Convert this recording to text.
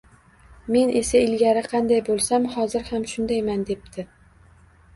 Men esa, ilgari qanday bo‘lsam, hozir ham shundayman, debdi